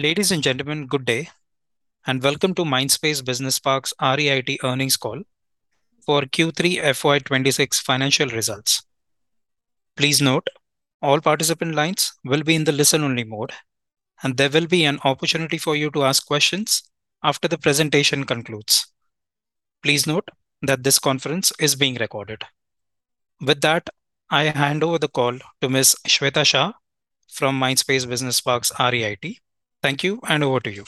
Ladies and gentlemen, good day, and welcome to Mindspace Business Parks REIT earnings call for Q3 FY 2026 financial results. Please note, all participant lines will be in the listen-only mode, and there will be an opportunity for you to ask questions after the presentation concludes. Please note that this conference is being recorded. With that, I hand over the call to Ms. Shweta Shah from Mindspace Business Parks REIT. Thank you, and over to you.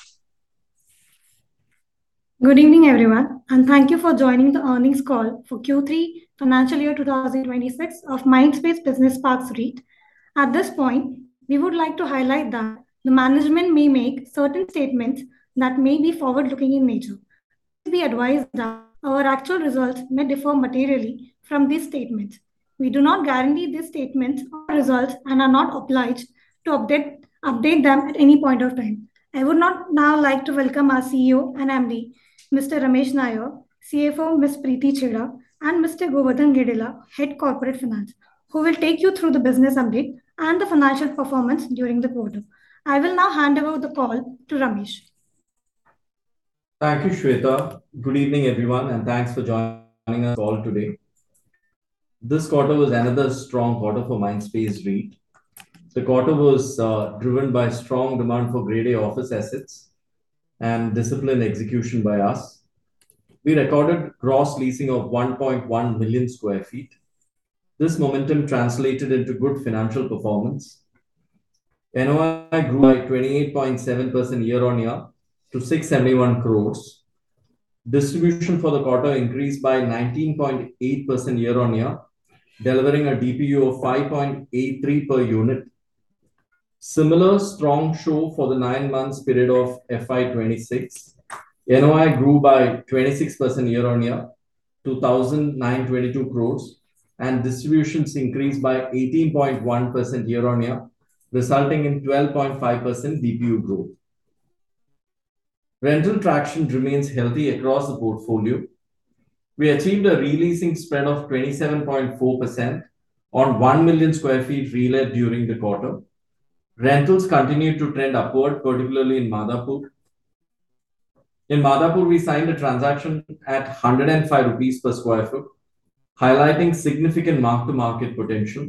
Good evening, everyone, and thank you for joining the earnings call for Q3 financial year 2026 of Mindspace Business Parks REIT. At this point, we would like to highlight that the management may make certain statements that may be forward-looking in nature. We advise that our actual results may differ materially from these statements. We do not guarantee these statements or results and are not obliged to update them at any point of time. I would now like to welcome our CEO and MD, Mr. Ramesh Nair, CFO, Ms. Preeti Chheda, and Mr. Govardhan Gedela, Head Corporate Finance, who will take you through the business update and the financial performance during the quarter. I will now hand over the call to Ramesh. Thank you, Shweta. Good evening, everyone, and thanks for joining us all today. This quarter was another strong quarter for Mindspace REIT. The quarter was driven by strong demand for Grade A office assets and disciplined execution by us. We recorded gross leasing of 1.1 million sq ft. This momentum translated into good financial performance. NOI grew by 28.7% year-on-year to 671 crores. Distribution for the quarter increased by 19.8% year-on-year, delivering a DPU of 5.83 per unit. Similar strong show for the nine months period of FY 2026. NOI grew by 26% year-on-year to 1,922 crores, and distributions increased by 18.1% year-on-year, resulting in 12.5% DPU growth. Rental traction remains healthy across the portfolio. We achieved a re-leasing spread of 27.4% on 1 million sq ft relet during the quarter. Rentals continued to trend upward, particularly in Madhapur. In Madhapur, we signed a transaction at 105 rupees PSF, highlighting significant mark-to-market potential.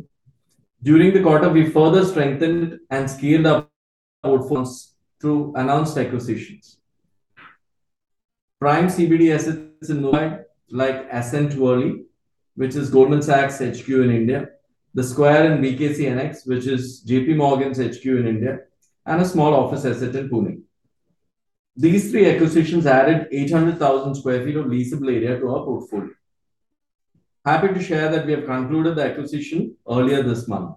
During the quarter, we further strengthened and scaled up our funds through announced acquisitions. Prime CBD assets in Mumbai, like Ascent Worli, which is Goldman Sachs HQ in India, The Square in BKC Annexe, which is JPMorgan's HQ in India, and a small office asset in Pune. These three acquisitions added 800,000 sq ft of leasable area to our portfolio. Happy to share that we have concluded the acquisition earlier this month.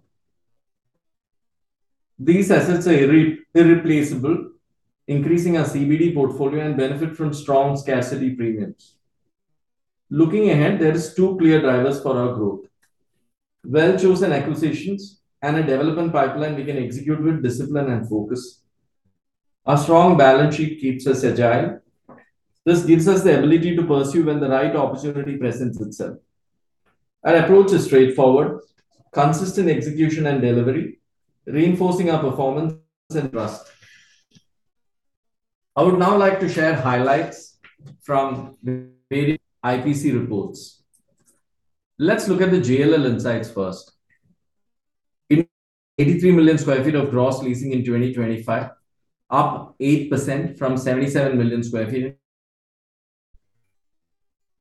These assets are irreplaceable, increasing our CBD portfolio and benefit from strong scarcity premiums. Looking ahead, there's two clear drivers for our growth: well-chosen acquisitions and a development pipeline we can execute with discipline and focus. Our strong balance sheet keeps us agile. This gives us the ability to pursue when the right opportunity presents itself. Our approach is straightforward: consistent execution and delivery, reinforcing our performance and trust. I would now like to share highlights from the various IPC reports. Let's look at the JLL insights first. In 83 million sq ft of gross leasing in 2025, up 8% from 77 million sq ft.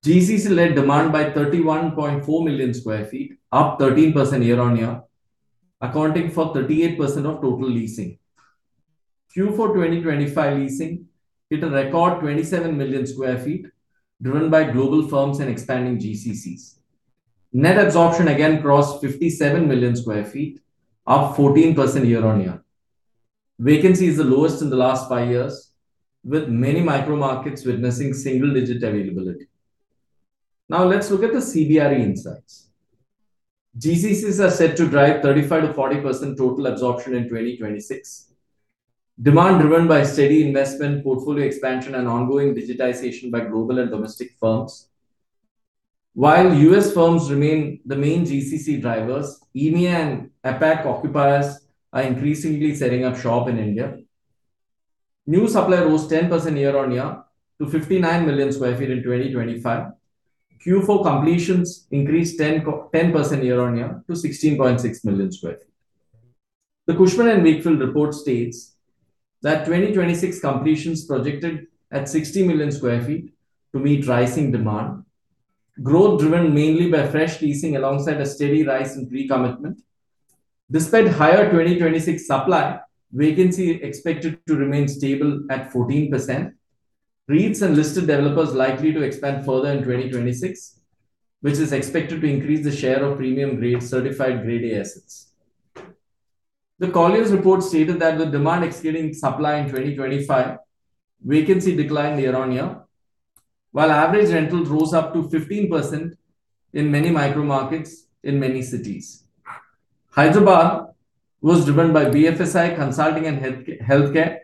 GCCs led demand by 31.4 million sq ft, up 13% year-on-year, accounting for 38% of total leasing. Q4 2025 leasing hit a record 27 million sq ft, driven by global firms and expanding GCCs. Net absorption again crossed 57 million sq ft, up 14% year-on-year. Vacancy is the lowest in the last five years, with many micro markets witnessing single digit availability. Now let's look at the CBRE insights. GCCs are set to drive 35%-40% total absorption in 2026. Demand driven by steady investment, portfolio expansion, and ongoing digitization by global and domestic firms. While U.S. firms remain the main GCC drivers, EMEA and APAC occupiers are increasingly setting up shop in India. New supply rose 10% year-on-year to 59 million sq ft in 2025. Q4 completions increased 10% year-on-year to 16.6 million sq ft. The Cushman & Wakefield report states that 2026 completions projected at 60 million sq ft to meet rising demand. Growth driven mainly by fresh leasing alongside a steady rise in recommitment. Despite higher 2026 supply, vacancy expected to remain stable at 14%. REITs and listed developers likely to expand further in 2026, which is expected to increase the share of premium Grade A-certified assets. The Colliers report stated that with demand exceeding supply in 2025, vacancy declined year-on-year, while average rentals rose up to 15% in many micro markets in many cities. Hyderabad was driven by BFSI, consulting, and healthcare,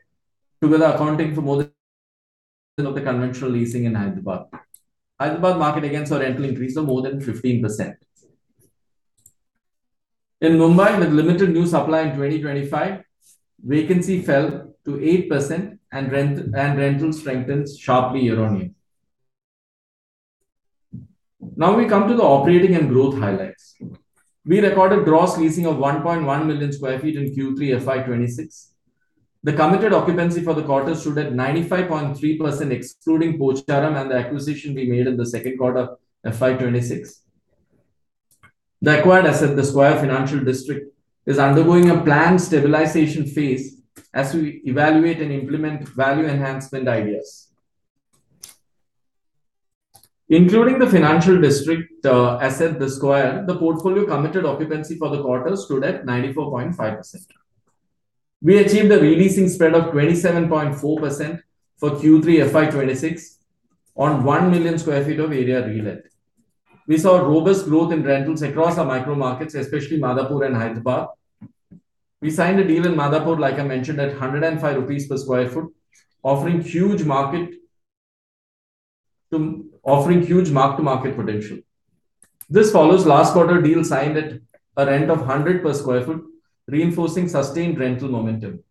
together accounting for more than of the conventional leasing in Hyderabad. Hyderabad market again saw rental increase of more than 15%.... In Mumbai, with limited new supply in 2025, vacancy fell to 8%, and rentals strengthened sharply year-on-year. Now we come to the operating and growth highlights. We recorded gross leasing of 1.1 million sq ft in Q3 FY 2026. The committed occupancy for the quarter stood at 95.3%, excluding Pocharam and the acquisition we made in the second quarter of FY 2026. The acquired asset, The Square Financial District, is undergoing a planned stabilization phase as we evaluate and implement value enhancement ideas. Including the Financial District, asset, The Square, the portfolio committed occupancy for the quarter stood at 94.5%. We achieved a re-leasing spread of 27.4% for Q3 FY 2026 on one million sq ft of area relet. We saw robust growth in rentals across our micro markets, especially Madhapur and Hyderabad. We signed a deal in Madhapur, like I mentioned, at 105 rupees PSF, offering huge mark-to-market potential. This follows last quarter deal signed at a rent of 100 PSF, reinforcing sustained rental momentum.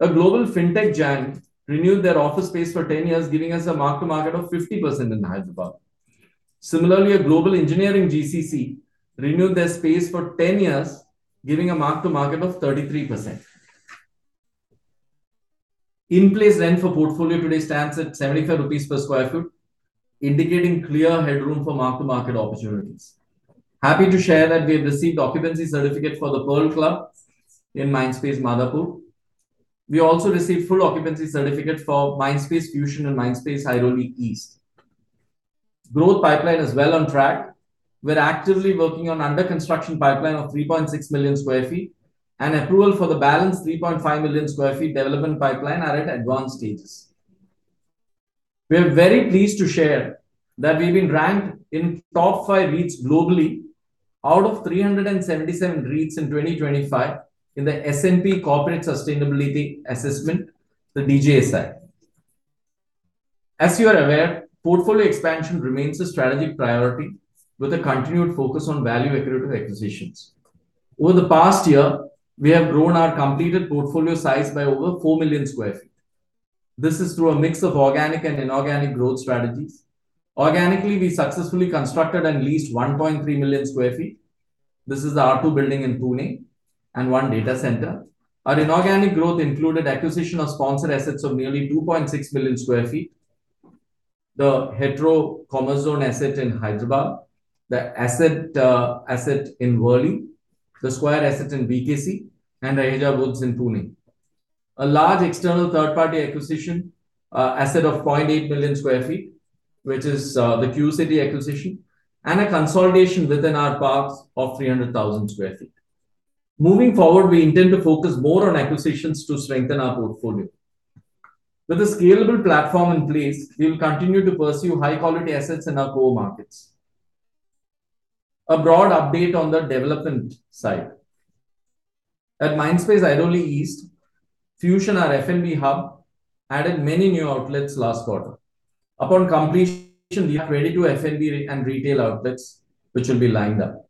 A global fintech giant renewed their office space for 10 years, giving us a mark-to-market of 50% in Hyderabad. Similarly, a global engineering GCC renewed their space for 10 years, giving a mark-to-market of 33%. In-place rent for portfolio today stands at 75 rupees PSF, indicating clear headroom for mark-to-market opportunities. Happy to share that we have received occupancy certificate for the Pearl Club in Mindspace Madhapur. We also received full occupancy certificate for Mindspace Fusion and Mindspace Airoli East. Growth pipeline is well on track. We're actively working on under construction pipeline of 3.6 million sq ft, and approval for the balance, 3.5 million sq ft development pipeline, are at advanced stages. We are very pleased to share that we've been ranked in top five REITs globally out of 377 REITs in 2025 in the S&P Corporate Sustainability Assessment, the DJSI. As you are aware, portfolio expansion remains a strategic priority, with a continued focus on value-accretive acquisitions. Over the past year, we have grown our completed portfolio size by over four million sq ft. This is through a mix of organic and inorganic growth strategies. Organically, we successfully constructed and leased 1.3 million sq ft. This is the R2 building in Pune and one data center. Our inorganic growth included acquisition of sponsored assets of nearly 2.6 million sq ft, the The Commerzone asset in Hyderabad, the asset, asset in Worli, the Square asset in BKC, and Raheja Woods in Pune. A large external third-party acquisition, asset of 0.8 million sq ft, which is, the Q City acquisition, and a consolidation within our parks of 300,000 sq ft. Moving forward, we intend to focus more on acquisitions to strengthen our portfolio. With a scalable platform in place, we will continue to pursue high-quality assets in our core markets. A broad update on the development side. At Mindspace Airoli East, Fusion, our F&B hub, added many new outlets last quarter. Upon completion, we have 22 F&B and retail outlets which will be lined up.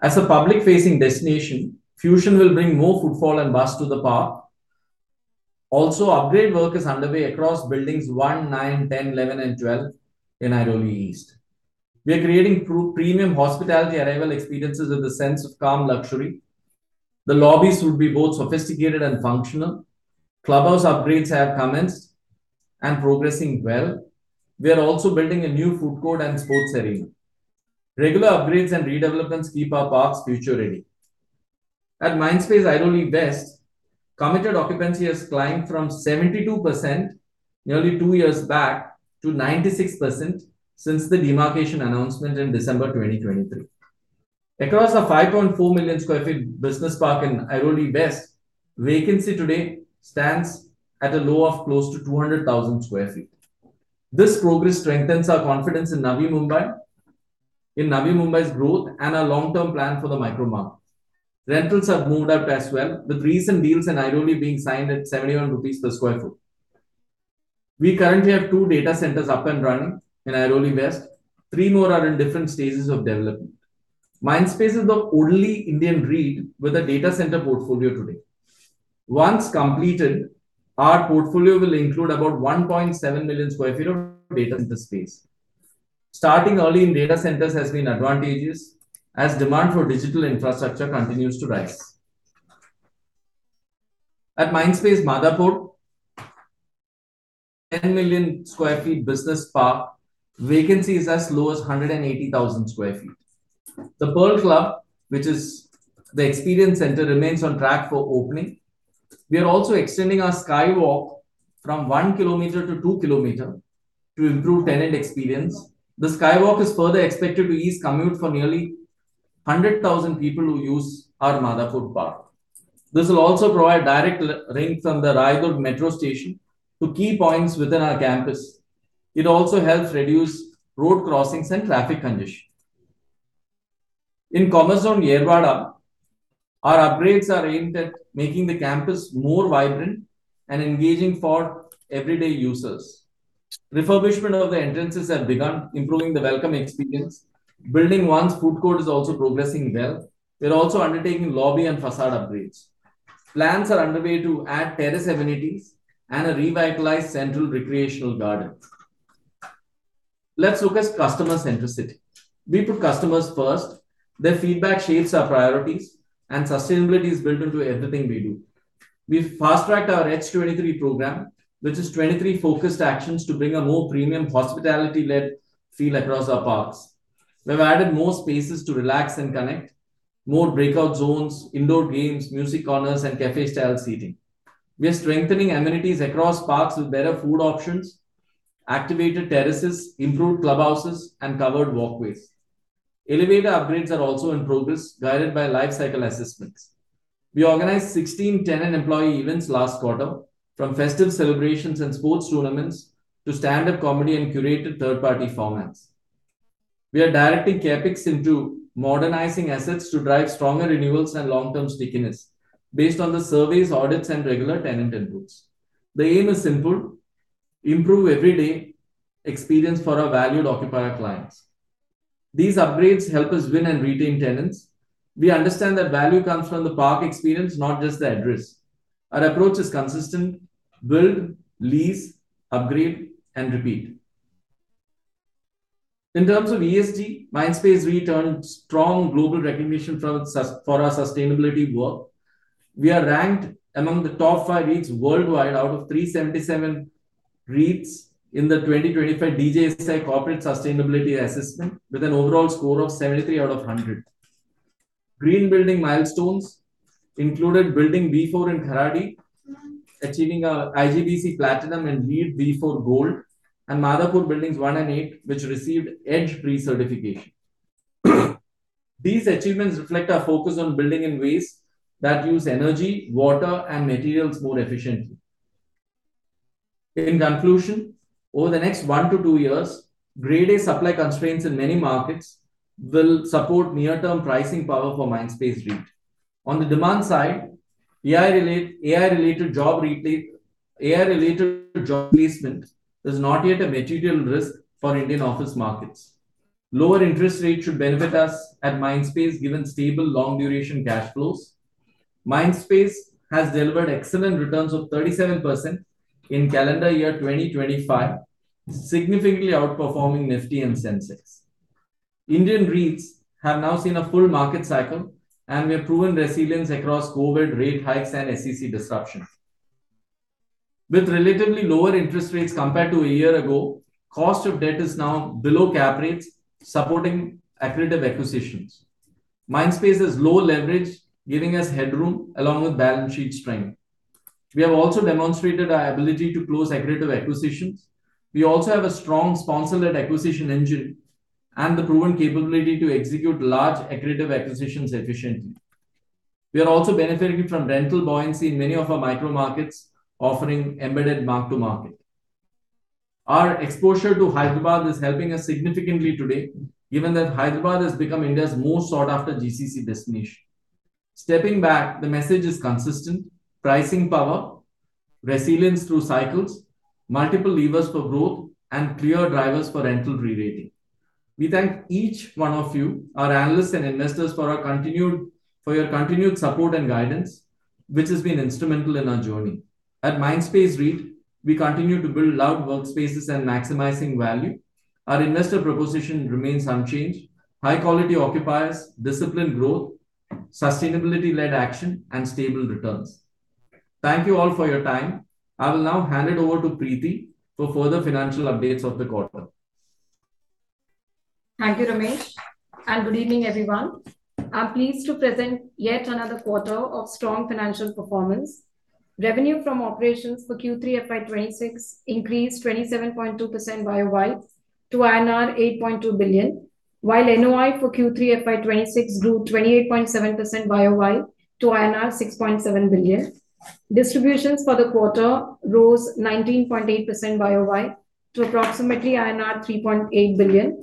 As a public-facing destination, Fusion will bring more footfall and buzz to the park. Also, upgrade work is underway across Buildings 1, 9, 10, 11, and 12 in Airoli East. We are creating premium hospitality arrival experiences with a sense of calm luxury. The lobbies will be both sophisticated and functional. Clubhouse upgrades have commenced and progressing well. We are also building a new food court and sports arena. Regular upgrades and redevelopments keep our parks future-ready. At Mindspace Airoli West, committed occupancy has climbed from 72%, nearly two years back, to 96% since the demarcation announcement in December 2023. Across our 5.4 million sq ft business park in Airoli West, vacancy today stands at a low of close to 200,000 sq ft. This progress strengthens our confidence in Navi Mumbai's growth and our long-term plan for the micro market. Rentals have moved up as well, with recent deals in Airoli being signed at 71 rupees PSF. We currently have two data centers up and running in Airoli West. Three more are in different stages of development. Mindspace is the only Indian REIT with a data center portfolio today. Once completed, our portfolio will include about 1.7 million sq ft of data center space. Starting early in data centers has been advantageous, as demand for digital infrastructure continues to rise. At Mindspace Madhapur, 10 million sq ft business park, vacancy is as low as 180,000 sq ft. The Pearl Club, which is the experience center, remains on track for opening. We are also extending our skywalk from 1 km to 2 km to improve tenant experience. The skywalk is further expected to ease commute for nearly 100,000 people who use our Madhapur park. This will also provide direct link from the Raidurg metro station to key points within our campus. It also helps reduce road crossings and traffic congestion. In Commerzone Yerwada... Our upgrades are aimed at making the campus more vibrant and engaging for everyday users. Refurbishment of the entrances have begun, improving the welcome experience. Building 1's food court is also progressing well. We're also undertaking lobby and facade upgrades. Plans are underway to add terrace amenities and a revitalized central recreational garden. Let's look at customer centricity. We put customers first. Their feedback shapes our priorities, and sustainability is built into everything we do. We've fast-tracked our EDGE 23 program, which is 23 focused actions to bring a more premium hospitality-led feel across our parks. We've added more spaces to relax and connect, more breakout zones, indoor games, music corners, and café-style seating. We are strengthening amenities across parks with better food options, activated terraces, improved clubhouses, and covered walkways. Elevator upgrades are also in progress, guided by life cycle assessments. We organized 16 tenant employee events last quarter, from festive celebrations and sports tournaments to stand-up comedy and curated third-party formats. We are directing CapEx into modernizing assets to drive stronger renewals and long-term stickiness based on the surveys, audits, and regular tenant inputs. The aim is simple: improve everyday experience for our valued occupier clients. These upgrades help us win and retain tenants. We understand that value comes from the park experience, not just the address. Our approach is consistent: build, lease, upgrade, and repeat. In terms of ESG, Mindspace REIT earned strong global recognition from its sustainability work. We are ranked among the top five REITs worldwide out of 377 REITs in the 2025 DJSI Corporate Sustainability Assessment, with an overall score of 73 out of 100. Green building milestones included Building B4 in Kharadi, achieving an IGBC Platinum and LEED v4 Gold, and Madhapur Buildings 1 and 8, which received EDGE Pre-certification. These achievements reflect our focus on building in ways that use energy, water, and materials more efficiently. In conclusion, over the next one to two years, Grade A supply constraints in many markets will support near-term pricing power for Mindspace REIT. On the demand side, AI-related job placement is not yet a material risk for Indian office markets. Lower interest rates should benefit us at Mindspace, given stable, long-duration cash flows. Mindspace has delivered excellent returns of 37% in calendar year 2025, significantly outperforming Nifty and Sensex. Indian REITs have now seen a full market cycle, and we have proven resilience across COVID, rate hikes, and GCC disruption. With relatively lower interest rates compared to a year ago, cost of debt is now below cap rates, supporting accretive acquisitions. Mindspace has low leverage, giving us headroom along with balance sheet strength. We have also demonstrated our ability to close accretive acquisitions. We also have a strong sponsor-led acquisition engine and the proven capability to execute large accretive acquisitions efficiently. We are also benefiting from rental buoyancy in many of our micro markets, offering embedded mark-to-market. Our exposure to Hyderabad is helping us significantly today, given that Hyderabad has become India's most sought-after GCC destination. Stepping back, the message is consistent: pricing power, resilience through cycles, multiple levers for growth, and clear drivers for rental re-rating. We thank each one of you, our analysts and investors, for your continued support and guidance, which has been instrumental in our journey. At Mindspace REIT, we continue to build loved workspaces and maximizing value. Our investor proposition remains unchanged: high-quality occupiers, disciplined growth, sustainability-led action, and stable returns. Thank you all for your time. I will now hand it over to Preeti for further financial updates of the quarter. Thank you, Ramesh, and good evening, everyone. I'm pleased to present yet another quarter of strong financial performance. Revenue from operations for Q3 FY 2026 increased 27.2% YOY to INR 8.2 billion, while NOI for Q3 FY 2026 grew 28.7% YOY to INR 6.7 billion. Distributions for the quarter rose 19.8% YOY to approximately INR 3.8 billion.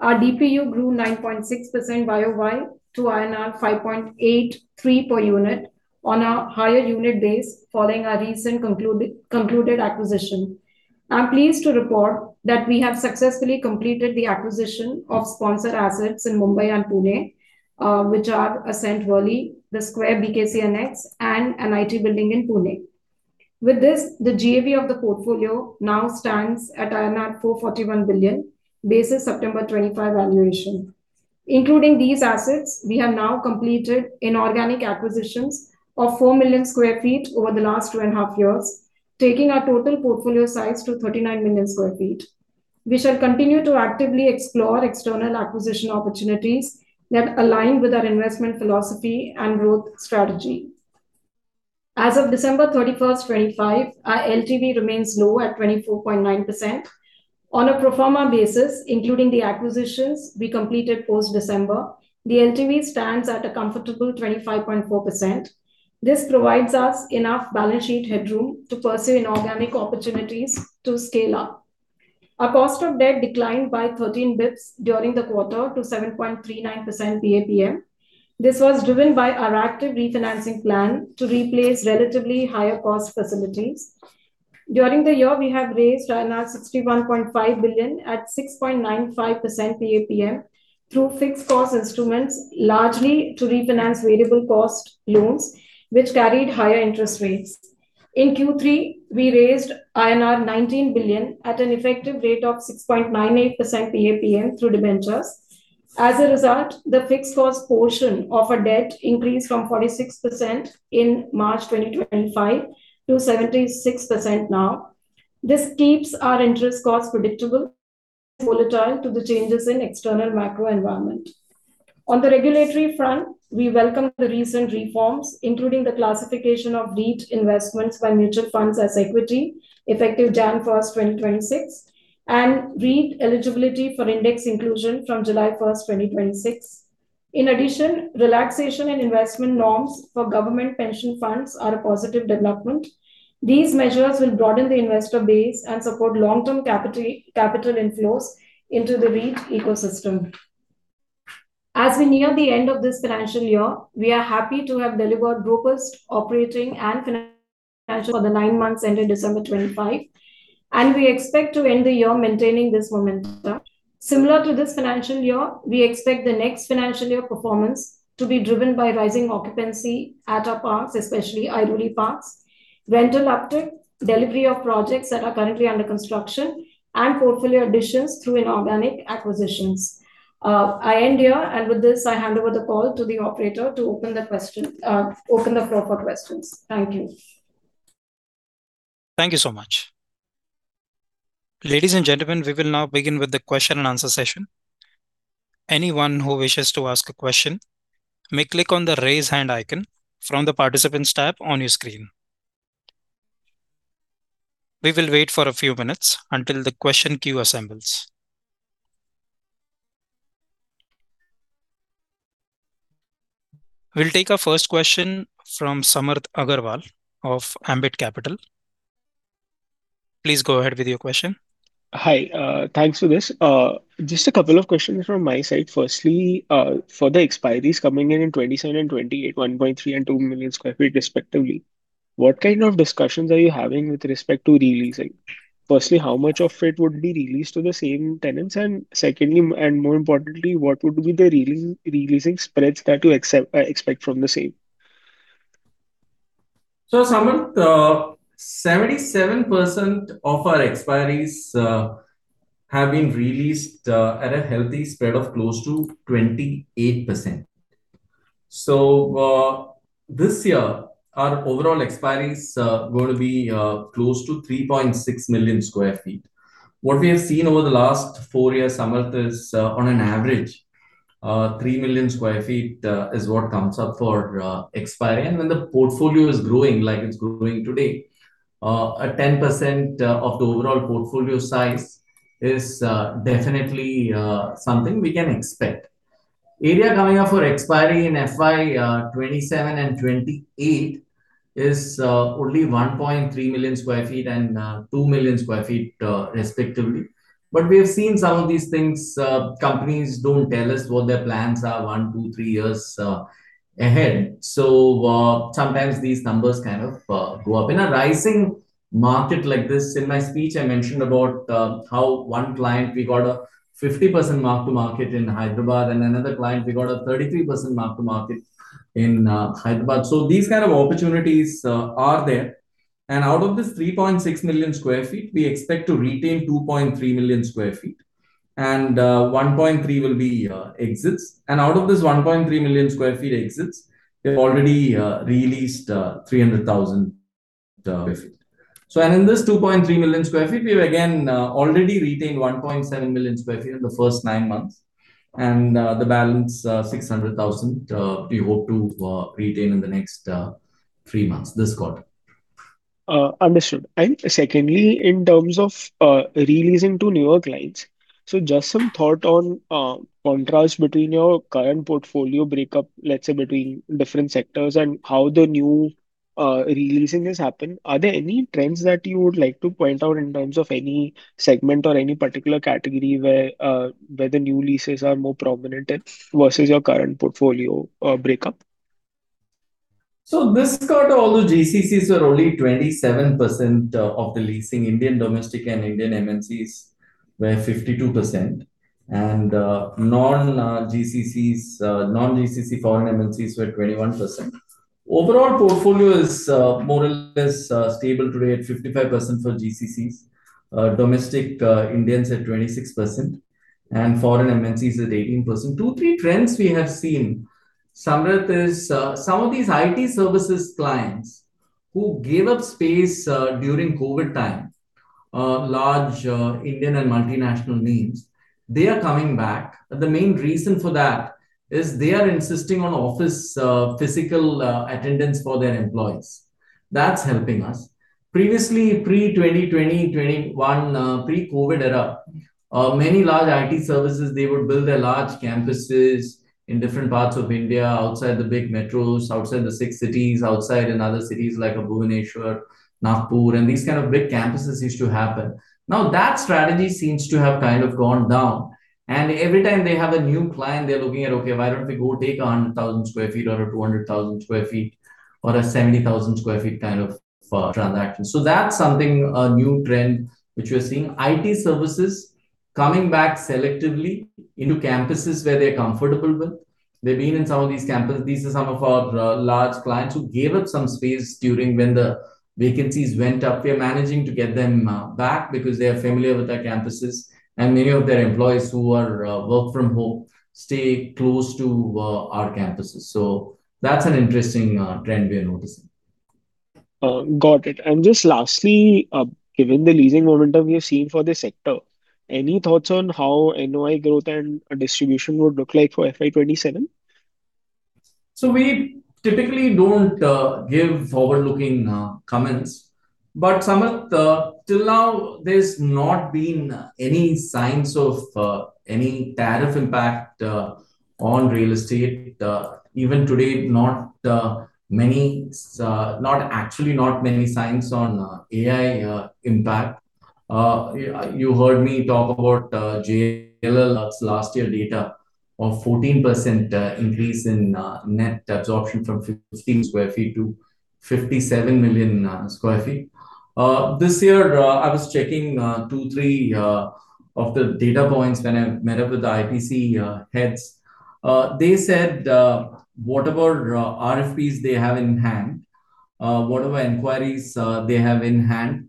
Our DPU grew 9.6% YOY to INR 5.83 per unit on a higher unit base following our recent concluded acquisition. I'm pleased to report that we have successfully completed the acquisition of sponsor assets in Mumbai and Pune, which are Ascent Worli, The Square BKC Annexe, and Raheja Woods in Pune. With this, the GAV of the portfolio now stands at INR 441 billion, basis September 2025 valuation. Including these assets, we have now completed inorganic acquisitions of four million sq ft over the last 2.5 years, taking our total portfolio size to 39 million sq ft. We shall continue to actively explore external acquisition opportunities that align with our investment philosophy and growth strategy. As of December 31, 2025, our LTV remains low at 24.9%. On a pro forma basis, including the acquisitions we completed post-December, the LTV stands at a comfortable 25.4%. This provides us enough balance sheet headroom to pursue inorganic opportunities to scale up. Our cost of debt declined by 13 basis points during the quarter to 7.39% PAPM. This was driven by our active refinancing plan to replace relatively higher cost facilities. During the year, we have raised 61.5 billion at 6.95% PAPM through fixed cost instruments, largely to refinance variable cost loans, which carried higher interest rates. In Q3, we raised INR 19 billion at an effective rate of 6.98% PAPM through debentures. As a result, the fixed cost portion of our debt increased from 46% in March 2025 to 76% now. This keeps our interest costs predictable, volatile to the changes in external macro environment. On the regulatory front, we welcome the recent reforms, including the classification of REIT investments by mutual funds as equity, effective January 1, 2026, and REIT eligibility for index inclusion from July 1, 2026. In addition, relaxation and investment norms for government pension funds are a positive development. These measures will broaden the investor base and support long-term capital inflows into the REIT ecosystem. As we near the end of this financial year, we are happy to have delivered robust operating and financial for the nine months ended December 25, and we expect to end the year maintaining this momentum. Similar to this financial year, we expect the next financial year performance to be driven by rising occupancy at our parks, especially Airoli parks, rental uptick, delivery of projects that are currently under construction, and portfolio additions through inorganic acquisitions. I end here, and with this, I hand over the call to the operator to open the question, open the floor for questions. Thank you. Thank you so much. Ladies and gentlemen, we will now begin with the question and answer session. Anyone who wishes to ask a question may click on the Raise Hand icon from the Participants tab on your screen. We will wait for a few minutes until the question queue assembles. We'll take our first question from Samarth Agrawal of Ambit Capital. Please go ahead with your question. Hi, thanks for this. Just a couple of questions from my side. Firstly, for the expiries coming in in 2027 and 2028, 1.3 and two million sq ft, respectively, what kind of discussions are you having with respect to re-leasing? Firstly, how much of it would be re-leased to the same tenants? And secondly, and more importantly, what would be the re-leasing, re-leasing spreads that you accept, expect from the same? So, Samarth, 77% of our expiries have been re-leased at a healthy spread of close to 28%. So, this year, our overall expiries are going to be close to 3.6 million sq ft. What we have seen over the last four years, Samarth, is, on an average, three million sq ft is what comes up for expiry. And when the portfolio is growing, like it's growing today, a 10% of the overall portfolio size is definitely something we can expect. Area coming up for expiry in FY 2027 and FY 2028 is only 1.3 million sq ft and two million sq ft, respectively. But we have seen some of these things... Companies don't tell us what their plans are one, two, three years ahead. So, sometimes these numbers kind of go up. In a rising market like this, in my speech, I mentioned about how one client, we got a 50% mark-to-market in Hyderabad, and another client, we got a 33% mark-to-market in Hyderabad. So these kind of opportunities are there, and out of this 3.6 million sq ft, we expect to retain 2.3 million sq ft, and 1.3 will be exits. And out of this 1.3 million sq ft exits, we've already re-leased 300,000 sq ft. In this 2.3 million sq ft, we've again already retained 1.7 million sq ft in the first nine months, and the balance 600,000 sq ft we hope to retain in the next three months, this quarter. Understood. And secondly, in terms of re-leasing to newer clients, so just some thought on contrast between your current portfolio breakup, let's say, between different sectors and how the new re-leasing has happened. Are there any trends that you would like to point out in terms of any segment or any particular category where where the new leases are more prominent in versus your current portfolio breakup? So this quarter, all the GCCs were only 27% of the leasing. Indian domestic and Indian MNCs were 52%, and non-GCC foreign MNCs were 21%. Overall portfolio is more or less stable today at 55% for GCCs, domestic Indians at 26%, and foreign MNCs at 18%. Two, three trends we have seen, Samarth, is some of these IT services clients who gave up space during COVID time, large Indian and multinational names; they are coming back. The main reason for that is they are insisting on office physical attendance for their employees. That's helping us. Previously, pre 2020, 2021, pre-COVID era... Many large IT services, they would build their large campuses in different parts of India, outside the big metros, outside the six cities, outside in other cities like Bhubaneswar, Nagpur, and these kind of big campuses used to happen. Now, that strategy seems to have kind of gone down, and every time they have a new client, they're looking at, "Okay, why don't we go take a 100,000 sq ft or a 200,000 sq ft or a 70,000 sq ft kind of, transaction?" So that's something, a new trend which we're seeing. IT services coming back selectively into campuses where they're comfortable with. They've been in some of these campuses. These are some of our, large clients who gave up some space during when the vacancies went up. We're managing to get them back because they are familiar with our campuses, and many of their employees who work from home stay close to our campuses. So that's an interesting trend we are noticing. Got it. Just lastly, given the leasing momentum we have seen for this sector, any thoughts on how NOI growth and distribution would look like for FY 2027? We typically don't give forward-looking comments. But Samarth, till now, there's not been any signs of any tariff impact on real estate. Even today, not many signs on AI impact. Actually, not many signs on AI impact. You heard me talk about JLL last year data of 14% increase in net absorption from 15 million sq ft to 57 million sq ft. This year, I was checking two, three of the data points when I met up with the IPC heads. They said whatever RFPs they have in hand, whatever inquiries they have in hand,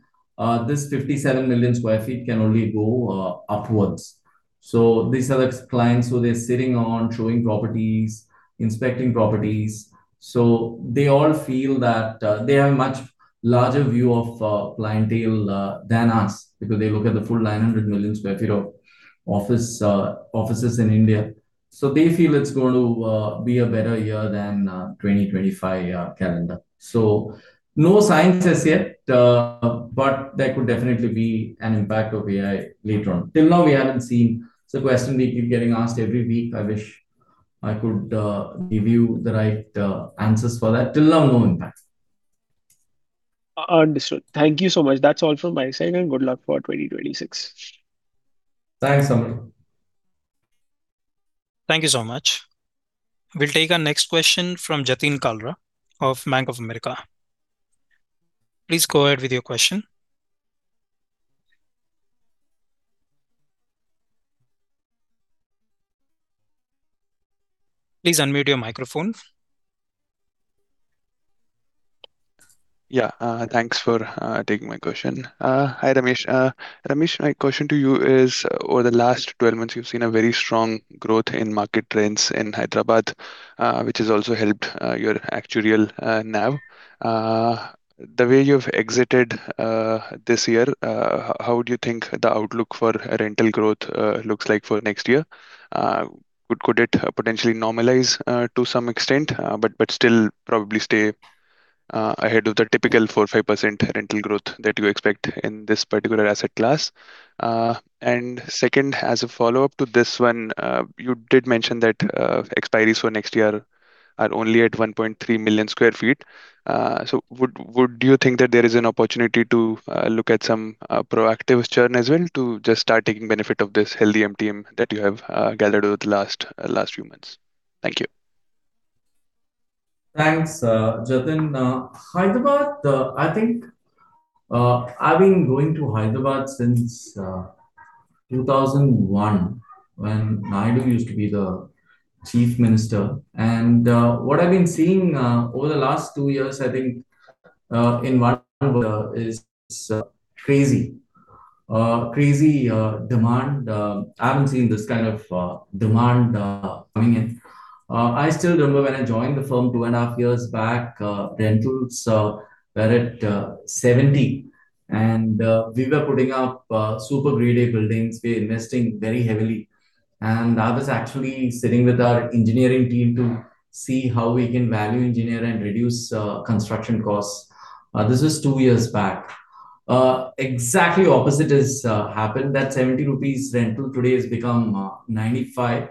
this 57 million sq ft can only go upwards. So these are the clients who they're sitting on, showing properties, inspecting properties. They all feel that they have a much larger view of clientele than us, because they look at the full 900 million sq ft of office offices in India. They feel it's going to be a better year than 2025 calendar. No signs as yet, but there could definitely be an impact of AI later on. Till now, we haven't seen. It's a question we keep getting asked every week. I wish I could give you the right answers for that. Till now, no impact. Understood. Thank you so much. That's all from my side, and good luck for 2026. Thanks, Samarth. Thank you so much. We'll take our next question from Jatin Kalra of Bank of America. Please go ahead with your question. Please unmute your microphone. Yeah. Thanks for taking my question. Hi, Ramesh. Ramesh, my question to you is: over the last 12 months, you've seen a very strong growth in market rents in Hyderabad, which has also helped your actual NAV. The way you've exited this year, how do you think the outlook for rental growth looks like for next year? Could it potentially normalize to some extent, but still probably stay ahead of the typical 4%-5% rental growth that you expect in this particular asset class? And second, as a follow-up to this one, you did mention that expiries for next year are only at 1.3 million sq ft. So would you think that there is an opportunity to look at some proactive churn as well to just start taking benefit of this healthy MTM that you have gathered over the last few months? Thank you. Thanks, Jatin. Hyderabad, I think, I've been going to Hyderabad since 2001, when Naidu used to be the chief minister. What I've been seeing over the last two years, I think, in Hyderabad is crazy. Crazy demand. I haven't seen this kind of demand coming in. I still remember when I joined the firm two and a half years back, rentals were at 70, and we were putting up super grade A buildings. We were investing very heavily, and I was actually sitting with our engineering team to see how we can value-engineer and reduce construction costs. This was two years back. Exactly opposite has happened. That 70 rupees rental today has become 95.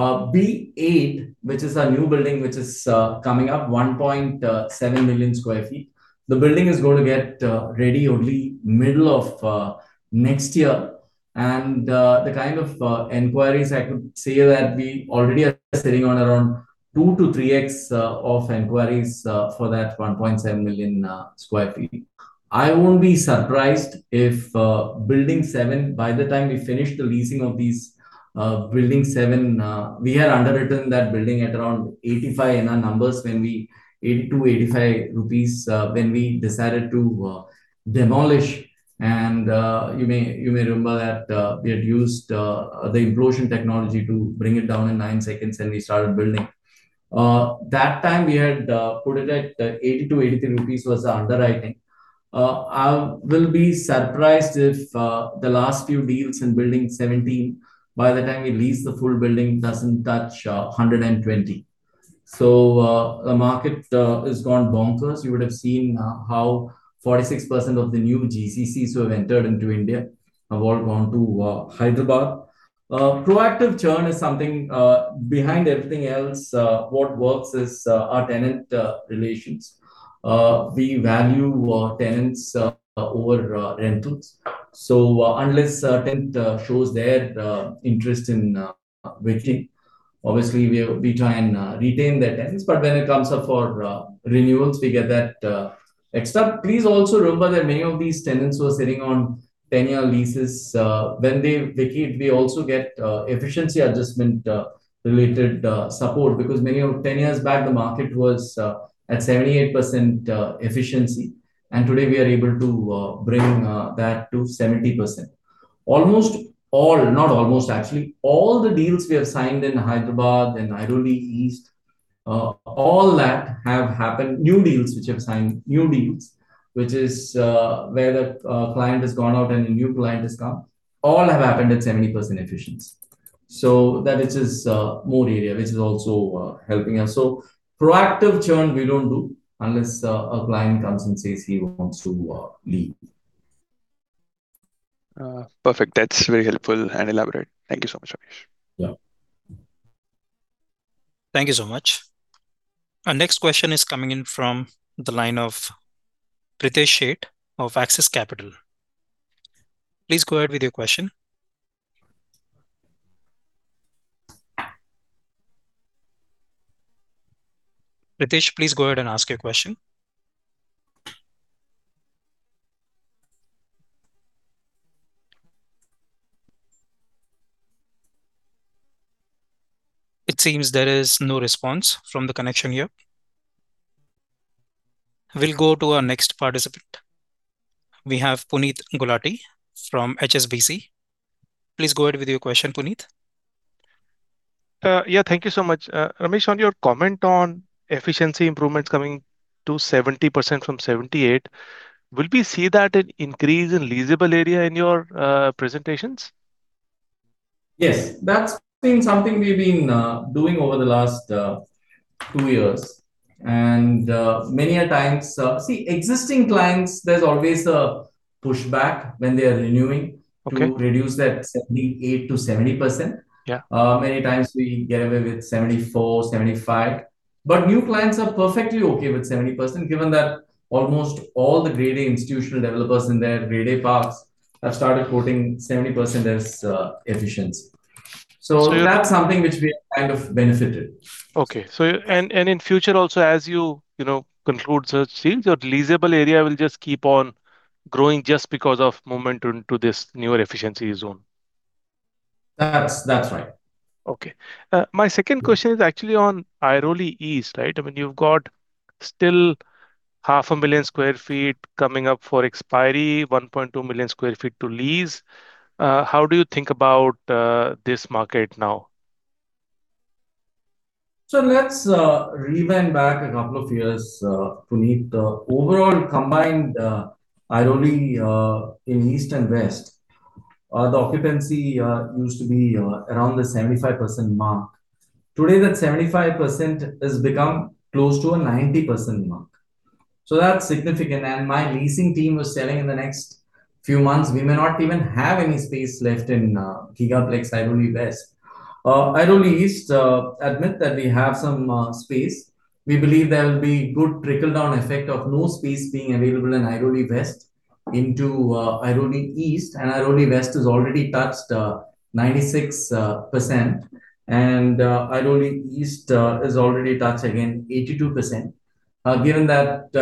B8, which is our new building, which is coming up, 1.7 million sq ft. The building is going to get ready only middle of next year, and the kind of inquiries I could say that we already are sitting on around 2-3x of inquiries for that 1.7 million sq ft. I won't be surprised if Building 7, by the time we finish the leasing of this Building 7... We had underwritten that building at around 85 in our numbers when we 80-85 rupees when we decided to demolish, and you may remember that we had used the implosion technology to bring it down in nine seconds, and we started building. That time we had put it at 80-83 rupees was the underwriting. I will be surprised if the last few deals in Building 17, by the time we lease the full building, doesn't touch 120. So, the market has gone bonkers. You would have seen how 46% of the new GCCs who have entered into India have all gone to Hyderabad. Proactive churn is something behind everything else. What works is our tenant relations. We value our tenants over rentals. So, unless a tenant shows their interest in vacating, obviously we try and retain the tenants. But when it comes up for renewals, we get that accepted. Please also remember that many of these tenants were sitting on 10-year leases. When they vacate, we also get efficiency adjustment related support, because many of—10 years back, the market was at 78% efficiency, and today we are able to bring that to 70%. Almost all. Not almost, actually, all the deals we have signed in Hyderabad and Airoli East, all that have happened—new deals which we have signed, new deals, which is where the client has gone out and a new client has come, all have happened at 70% efficiency. So that is just more area, which is also helping us. So proactive churn, we don't do, unless a client comes and says he wants to leave. Perfect. That's very helpful and elaborate. Thank you so much, Ramesh. Yeah. Thank you so much. Our next question is coming in from the line of Pritesh Sheth of Axis Capital. Please go ahead with your question. Pritesh, please go ahead and ask your question. It seems there is no response from the connection here. We'll go to our next participant. We have Puneet Gulati from HSBC. Please go ahead with your question, Puneet. Yeah. Thank you so much. Ramesh, on your comment on efficiency improvements coming to 70% from 78%, will we see that an increase in leasable area in your presentations? Yes, that's been something we've been doing over the last two years. And, many a times... See, existing clients, there's always a pushback when they are renewing- Okay. - to reduce that 78% to 70%. Yeah. Many times we get away with 74%, 75%. But new clients are perfectly okay with 70%, given that almost all the Grade A institutional developers in their Grade A parks have started quoting 70% as, efficiency. So- That's something which we have kind of benefited. Okay. So, in future also, as you know, conclude such deals, your leasable area will just keep on growing just because of momentum to this newer efficiency zone? That's right. Okay. My second question is actually on Airoli East, right? I mean, you've got still 500,000 sq ft coming up for expiry, 1.2 million sq ft to lease. How do you think about this market now? So let's rewind back a couple of years, Puneet. The overall combined Airoli in East and West the occupancy used to be around the 75% mark. Today, that 75% has become close to a 90% mark, so that's significant. And my leasing team was telling in the next few months, we may not even have any space left in Gigaplex Airoli West. Airoli East, I admit that we have some space. We believe there will be good trickle-down effect of no space being available in Airoli West into Airoli East. And Airoli West has already touched 96%, and Airoli East has already touched, again, 82%. Given that,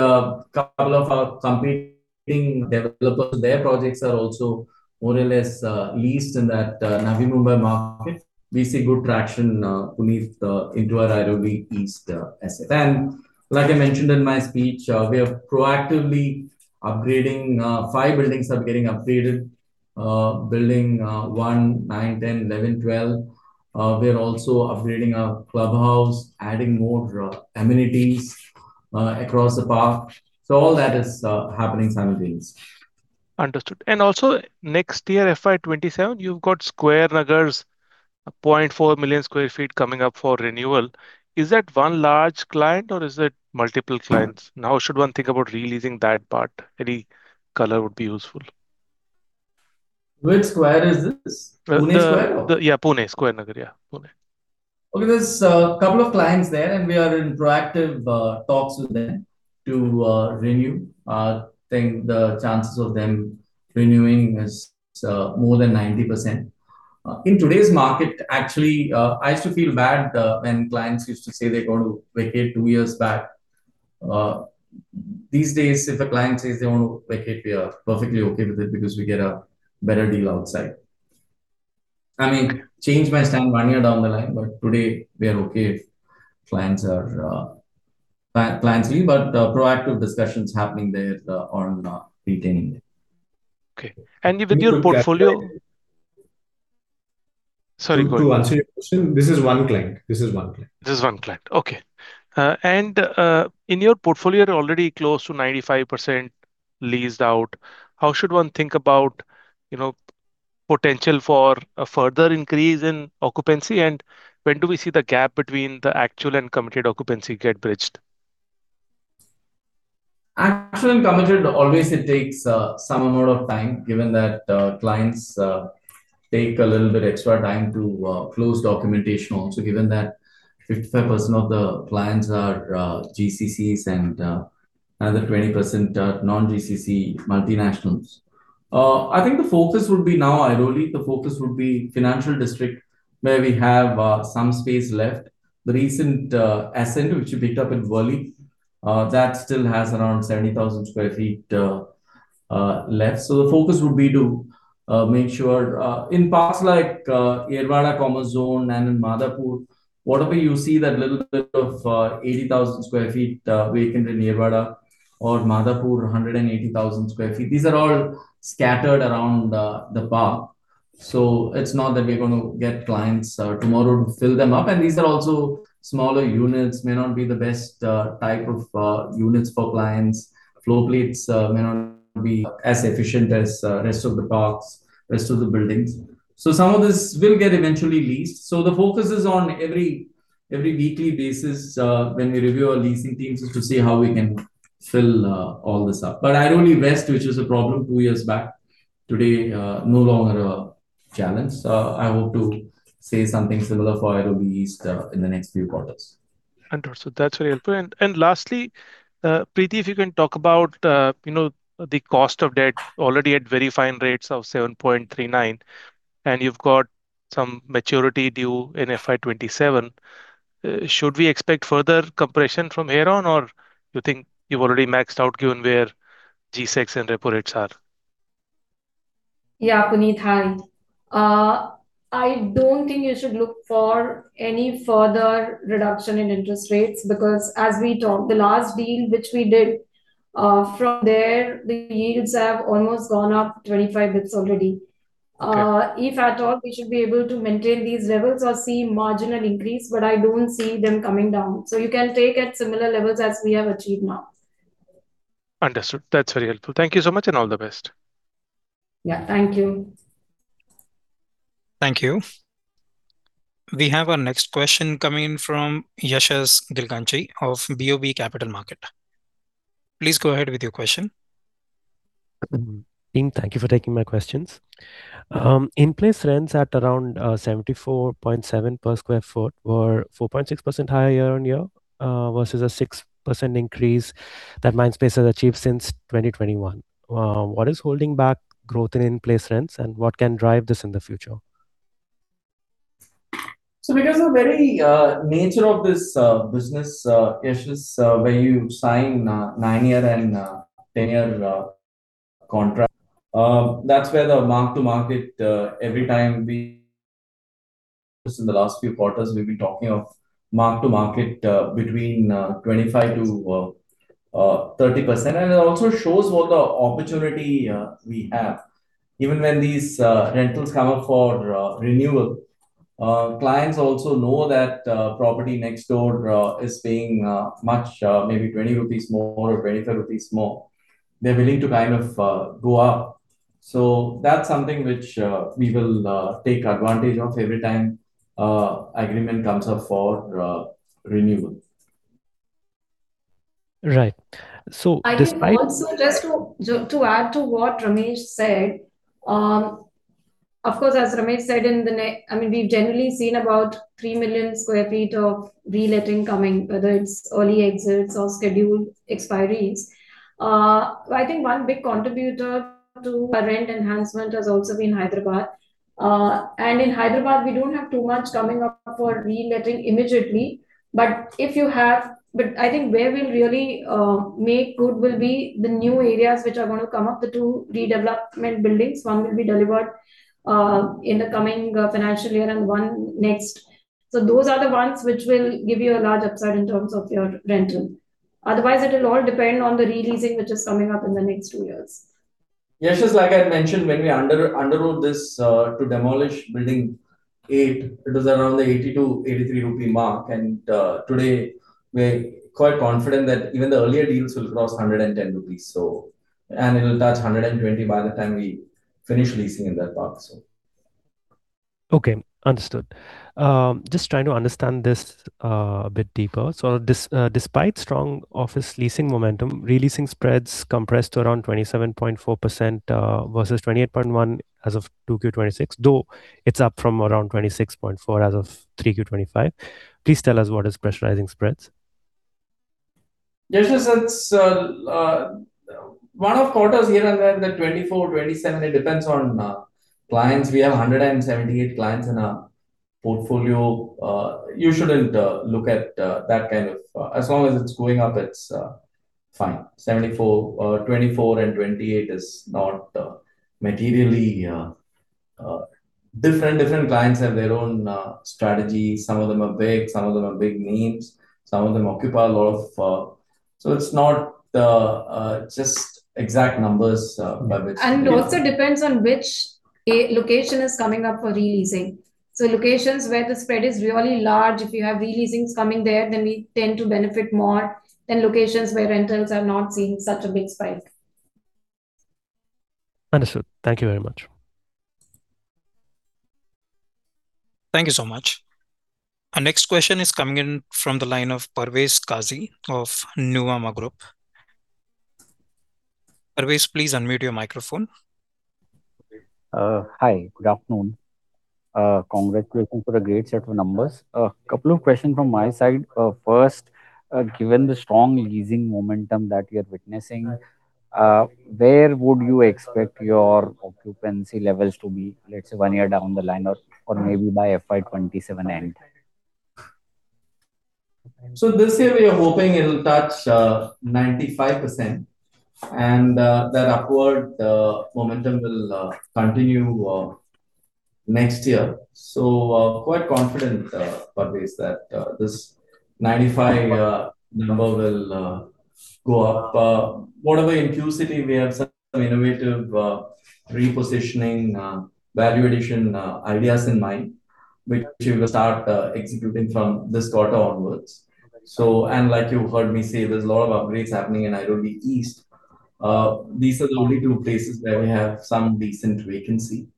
couple of our competing developers, their projects are also more or less, leased in that, Navi Mumbai market, we see good traction, Puneet, into our Airoli East, asset. And like I mentioned in my speech, we are proactively upgrading... Five buildings are getting upgraded: Building 1, 9, 10, 11, 12. We are also upgrading our clubhouse, adding more, amenities, across the park. So all that is, happening simultaneously. Understood. Also next year, FY 2027, you've got The Square, Nagar Road's 0.4 million sq ft coming up for renewal. Is that one large client or is it multiple clients? Yeah. How should one think about re-leasing that part? Any color would be useful. Which square is this? Pune Square or? Yeah, Pune, The Square, Nagar Road. Yeah, Pune. Okay. There's a couple of clients there, and we are in proactive talks with them to renew. I think the chances of them renewing is more than 90%. In today's market, actually, I used to feel bad when clients used to say they're going to vacate two years back. These days, if a client says they want to vacate, we are perfectly okay with it because we get a better deal outside. I mean, change my stand one year down the line, but today we are okay if clients are vacating, but proactive discussions happening there on retaining them. Okay. And with your portfolio- To answer that question- Sorry, go ahead. To answer your question, this is one client. This is one client. This is one client. Okay. And, in your portfolio, you're already close to 95% leased out. How should one think about, you know, potential for a further increase in occupancy, and when do we see the gap between the actual and committed occupancy get bridged? Actual and committed, always it takes some amount of time, given that clients take a little bit extra time to close documentation. Also, given that 55% of the clients are GCCs and another 20% are non-GCC multinationals. I think the focus would be now Airoli, the focus would be Financial District, where we have some space left. The recent Ascent, which we picked up in Worli, that still has around 70,000 sq ft left. So the focus would be to make sure... In parks like Yerwada Commerzone and in Madhapur, whatever you see that little bit of 80,000 sq ft vacant in Yerwada or Madhapur, 180,000 sq ft, these are all scattered around the park. So it's not that we're going to get clients, tomorrow to fill them up. And these are also smaller units, may not be the best, type of, units for clients. Floor plates, may not be as efficient as, rest of the parks, rest of the buildings. So some of this will get eventually leased. So the focus is on every, every weekly basis, when we review our leasing teams, is to see how we can fill, all this up. But Airoli West, which was a problem two years back, today, no longer a challenge. I hope to say something similar for Airoli East, in the next few quarters. Understood. That's very helpful. And lastly, Preeti, if you can talk about, you know, the cost of debt already at very fine rates of 7.39%, and you've got some maturity due in FY 2027. Should we expect further compression from here on, or you think you've already maxed out, given where G-Secs and repo rates are? Yeah, Puneet, hi. I don't think you should look for any further reduction in interest rates, because as we talked, the last deal which we did, from there, the yields have almost gone up 25 basis points already. If at all, we should be able to maintain these levels or see marginal increase, but I don't see them coming down. You can take at similar levels as we have achieved now. Understood. That's very helpful. Thank you so much, and all the best. Yeah. Thank you. Thank you. We have our next question coming from Yashas Gilganchi of BOB Capital Markets. Please go ahead with your question. Team, thank you for taking my questions. In-place rents at around 74.7 PSF were 4.6% higher year-on-year versus a 6% increase that Mindspace has achieved since 2021. What is holding back growth in in-place rents, and what can drive this in the future? So because of the very nature of this business, Yashas, where you sign nine-year and ten-year contract, that's where the mark-to-market every time we... In the last few quarters, we've been talking of mark-to-market between 25%-30%, and it also shows what the opportunity we have. Even when these rentals come up for renewal, clients also know that property next door is paying much, maybe 20 rupees more or 25 rupees more. They're willing to kind of go up. So that's something which we will take advantage of every time agreement comes up for renewal. Right. So despite- I think also, just to add to what Ramesh said, of course, as Ramesh said, I mean, we've generally seen about three million sq ft of reletting coming, whether it's early exits or scheduled expiries. I think one big contributor to our rent enhancement has also been Hyderabad. And in Hyderabad, we don't have too much coming up for reletting immediately, but if you have... But I think where we'll really make good will be the new areas which are going to come up, the two redevelopment buildings. One will be delivered in the coming financial year and one next. So those are the ones which will give you a large upside in terms of your rental. Otherwise, it will all depend on the re-leasing, which is coming up in the next two years. Yashas, like I mentioned, when we underwrote this to demolish Building 8, it was around the 82-83 rupee mark, and today we're quite confident that even the earlier deals will cross 110 rupees, so—and it'll touch 120 by the time we finish leasing in that park, so. Okay, understood. Just trying to understand this a bit deeper. So, despite strong office leasing momentum, re-leasing spreads compressed to around 27.4%, versus 28.1% as of 2Q 2026, though it's up from around 26.4% as of 3Q 2025. Please tell us, what is pressurizing spreads? Yashas, it's one of quarters here and there, in the 24%, 27%, it depends on clients. We have 178 clients in our portfolio. You shouldn't look at that kind of... As long as it's going up, it's fine. 74%, 24%, and 28% is not materially different. Different clients have their own strategy. Some of them are big, some of them are big names, some of them occupy a lot of... So it's not just exact numbers by which- It also depends on which location is coming up for re-leasing. Locations where the spread is really large, if you have re-leasings coming there, then we tend to benefit more than locations where rentals are not seeing such a big spike. Understood. Thank you very much. Thank you so much. Our next question is coming in from the line of Parvez Qazi of Nuvama Group. Parvez, please unmute your microphone. Hi, good afternoon. Congratulations for a great set of numbers. Couple of questions from my side. First, given the strong leasing momentum that you're witnessing, where would you expect your occupancy levels to be, let's say, one year down the line or, or maybe by FY 2027 end? So this year we are hoping it'll touch 95%, and that upward momentum will continue next year. So, quite confident, Parvez, that this 95% number will go up. Whatever in Q-city, we have some innovative repositioning value addition ideas in mind, which we will start executing from this quarter onwards. So— And like you heard me say, there's a lot of upgrades happening in Airoli East. These are the only two places where we have some decent vacancy.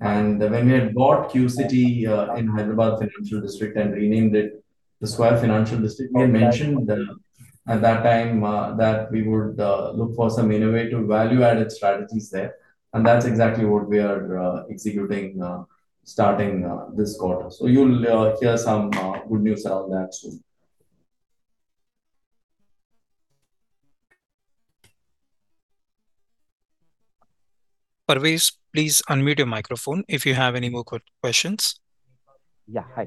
And when we had bought Q-city in Hyderabad Financial District and renamed it the Square Financial District, we mentioned that at that time that we would look for some innovative value-added strategies there, and that's exactly what we are executing starting this quarter. You'll hear some good news on that soon. Parvez, please unmute your microphone if you have any more questions. Yeah. Hi.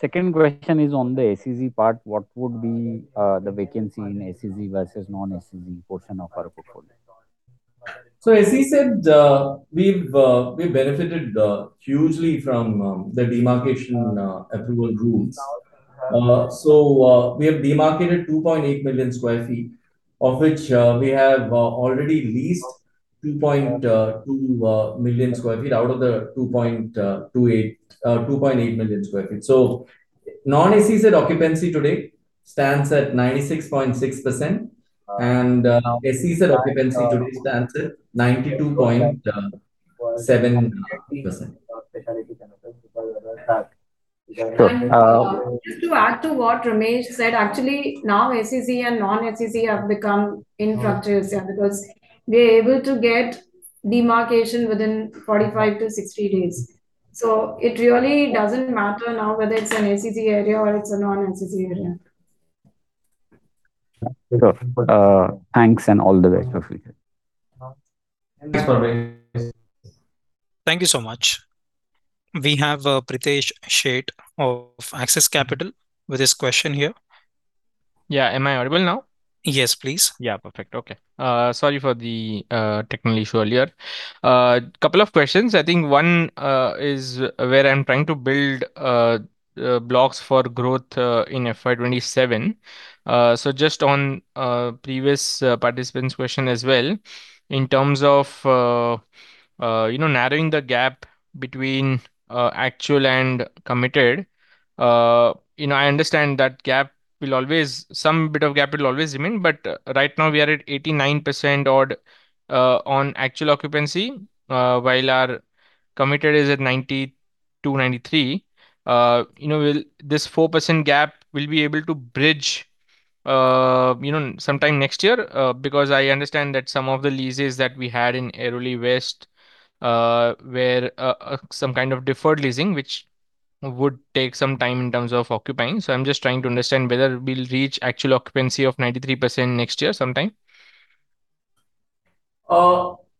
Second question is on the SEZ part. What would be the vacancy in SEZ versus non-SEZ portion of our portfolio? So as we said, we've we benefited hugely from the demarcation approval rules. So we have demarcated 2.8 million sq ft, of which we have already leased 2.2 million sq ft out of the 2.8 million sq ft. So non-SEZ occupancy today stands at 96.6%, and SEZ occupancy today stands at 92.7%. Sure. Uh- Just to add to what Ramesh said, actually, now SEZ and non-SEZ have become infrastructure, yeah, because we're able to get demarcation within 45-60 days. So it really doesn't matter now whether it's an SEZ area or it's a non-SEZ area. Sure. Thanks, and all the best for you. Thanks, Parvez. Thank you so much. We have, Pritesh Sheth of Axis Capital with his question here. Yeah. Am I audible now? Yes, please. Yeah. Perfect. Okay. Sorry for the technical issue earlier. Couple of questions. I think one is where I'm trying to build blocks for growth in FY 2027. So just on previous participant's question as well, in terms of you know, narrowing the gap between actual and committed, you know, I understand that gap will always—some bit of gap will always remain, but right now we are at 89% odd on actual occupancy while our committed is at 92%-93%. You know, will this 4% gap, we'll be able to bridge you know, sometime next year? Because I understand that some of the leases that we had in Airoli West were some kind of deferred leasing, which would take some time in terms of occupying. So I'm just trying to understand whether we'll reach actual occupancy of 93% next year sometime?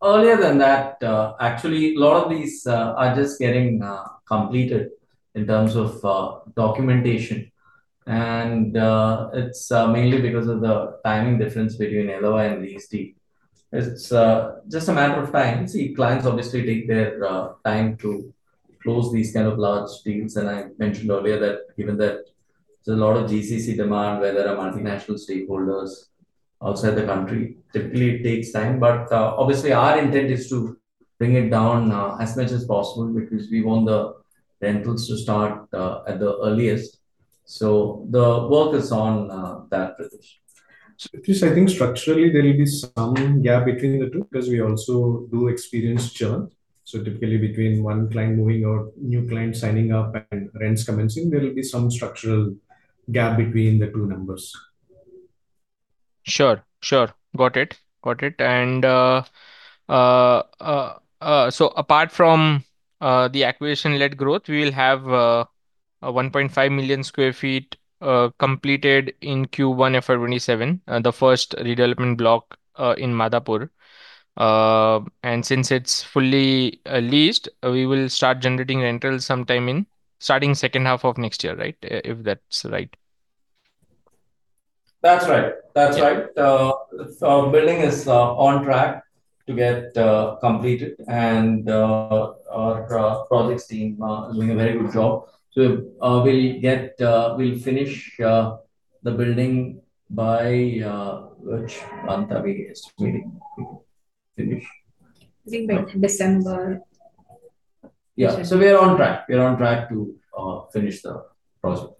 Earlier than that. Actually, a lot of these are just getting completed in terms of documentation. And it's mainly because of the timing difference between LOI and lease date. It's just a matter of time. See, clients obviously take their time to close these kind of large deals. And I mentioned earlier that given that there's a lot of GCC demand, where there are multinational stakeholders outside the country, typically it takes time. But obviously our intent is to bring it down as much as possible because we want the rentals to start at the earliest. So the work is on that, Pritesh. Pritesh, I think structurally there will be some gap between the two, because we also do experience churn. Typically between one client moving out, new client signing up, and rents commencing, there will be some structural gap between the two numbers. Sure, sure. Got it. Got it. And so apart from the acquisition-led growth, we will have a 1.5 million sq ft completed in Q1 FY 2027, the first redevelopment block in Madhapur. And since it's fully leased, we will start generating rentals sometime in starting second half of next year, right? If that's right. That's right. That's right. Yeah. So building is on track to get completed, and our projects team is doing a very good job. So we'll finish the building by... Which month are we targeting? Finish. I think by December. Yeah, so we are on track, we are on track to finish the project.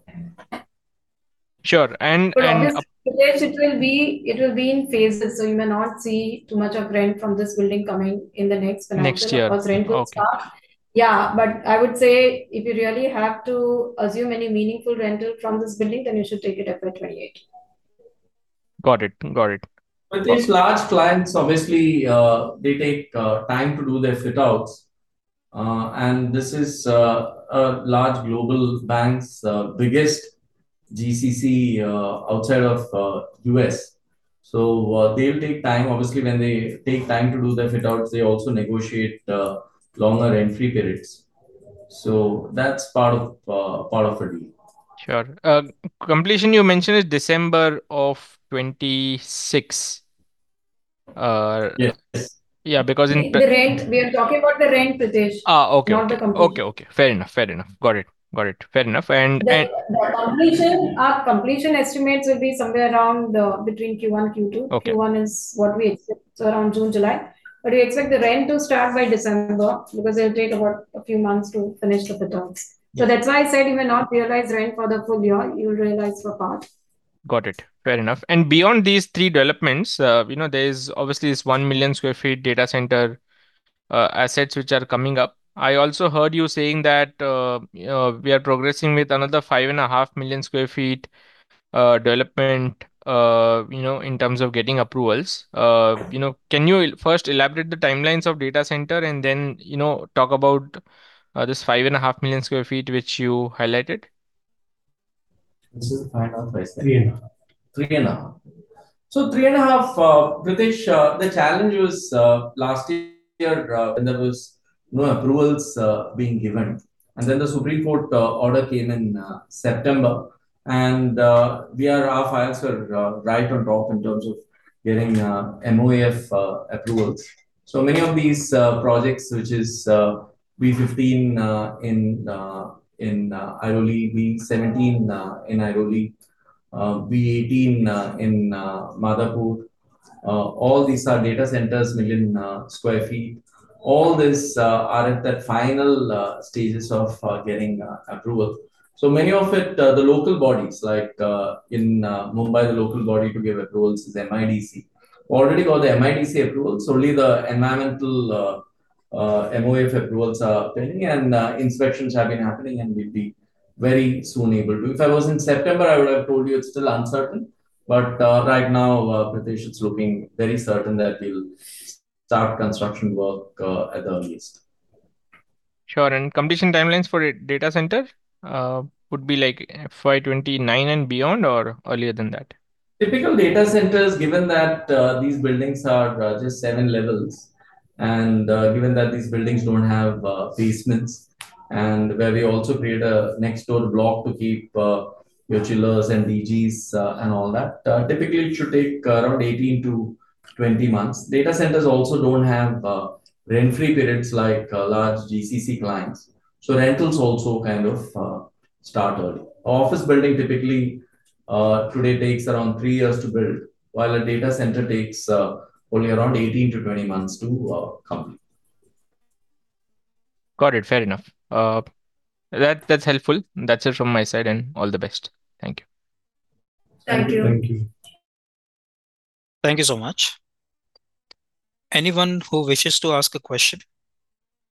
Sure, and- But obviously, it will be in phases, so you may not see too much of rent from this building coming in the next financial- Next year. Of course, rent will start. Okay. Yeah, but I would say if you really have to assume any meaningful rental from this building, then you should take it up by 2028. Got it. Got it. With these large clients, obviously, they take time to do their fit-outs. And this is a large global bank's biggest GCC outside of U.S.. So, they'll take time. Obviously, when they take time to do their fit-outs, they also negotiate longer rent-free periods. So that's part of part of the deal. Sure. Completion you mentioned is December of 2026. Yes. Yeah, because The rent, we are talking about the rent, Pritesh- Ah, okay. Not the completion. Okay, okay. Fair enough. Fair enough. Got it. Got it. Fair enough. And, and- The completion, our completion estimates will be somewhere around, between Q1, Q2. Okay. Q1 is what we expect, so around June, July. But we expect the rent to start by December, because it'll take about a few months to finish the fit-outs. So that's why I said you will not realize rent for the full-year, you'll realize for part. Got it. Fair enough. And beyond these three developments, you know, there is obviously this one million sq ft data center assets which are coming up. I also heard you saying that, you know, we are progressing with another 5.5 million sq ft development, you know, in terms of getting approvals. You know, can you first elaborate the timelines of data center and then, you know, talk about this 5.5 million sq ft which you highlighted? This is 5.5- 3.5. So 3.5, Pritesh, the challenge was last year when there was no approvals being given, and then the Supreme Court order came in September. And we are... our files are right on top in terms of getting MoEF approvals. So many of these projects, which is B-15 in Airoli, B-17 in Airoli, B-18 in Madhapur, all these are data centers, one million sq ft. All these are at that final stages of getting approval. So many of it the local bodies, like in Mumbai, the local body to give approvals is MIDC. We already got the MIDC approval, so only the environmental, MoEF approvals are pending, and inspections have been happening, and we'll be very soon able to... If I was in September, I would have told you it's still uncertain, but right now, Pritesh, it's looking very certain that we'll start construction work at the earliest. Sure. And completion timelines for a data center would be like FY 2029 and beyond, or earlier than that? Typical data centers, given that these buildings are just seven levels, and given that these buildings don't have basements, and where we also create a next door block to keep your chillers and DGs and all that, typically it should take around 18-20 months. Data centers also don't have rent-free periods like large GCC clients, so rentals also kind of start early. Office building typically today takes around three years to build, while a data center takes only around 18-20 months to complete. Got it. Fair enough. That, that's helpful. That's it from my side, and all the best. Thank you. Thank you. Thank you. Thank you so much. Anyone who wishes to ask a question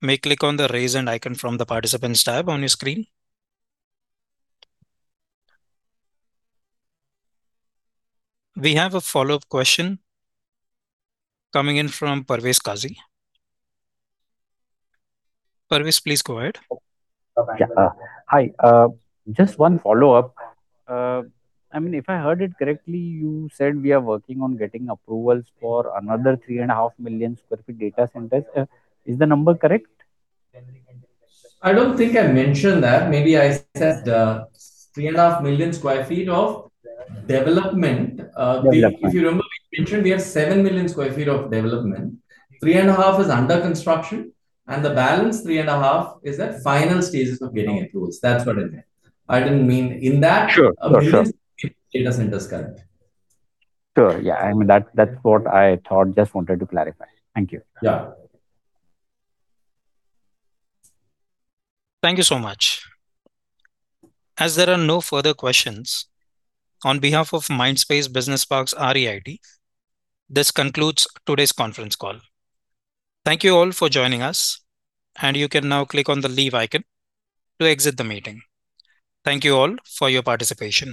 may click on the Raise Hand icon from the Participants tab on your screen. We have a follow-up question coming in from Parvez Qazi. Parvez, please go ahead. Yeah. Hi, just one follow-up. I mean, if I heard it correctly, you said we are working on getting approvals for another 3.5 million sq ft data centers. Is the number correct? I don't think I mentioned that. Maybe I said 3.5 million sq ft of development. Development. If you remember, we mentioned we have seven million sq ft of development. 3.5 is under construction, and the balance 3.5 is at final stages of getting approvals. That's what I meant. I didn't mean in that- Sure. For sure. Data centers, correct. Sure, yeah. I mean, that, that's what I thought. Just wanted to clarify. Thank you. Yeah. Thank you so much. As there are no further questions, on behalf of Mindspace Business Parks REIT, this concludes today's conference call. Thank you all for joining us, and you can now click on the Leave icon to exit the meeting. Thank you all for your participation.